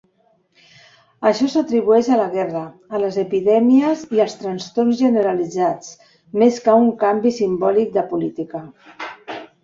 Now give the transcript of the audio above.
Això s'atribueix a la guerra, a les epidèmies i als trastorns generalitzats, més que a un "canvi simbòlic de política".